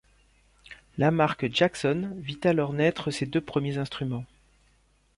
La marque Jackson vit alors naitre ses deux premiers instruments.